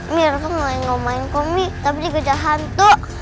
mirvah ngelain ngomain komik tapi dia kejar hantu